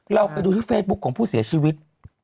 เราไปดูที่เฟซบุ๊คของผู้เสียชีวิต